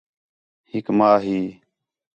ہِک ماں ہی